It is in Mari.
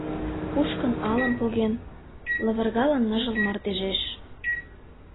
Кушкын, алым поген, Лывыргалын ныжыл мардежеш.